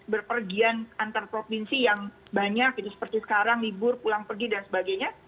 berpergian antar provinsi yang banyak gitu seperti sekarang libur pulang pergi dan sebagainya